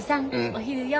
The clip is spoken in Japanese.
お昼よ。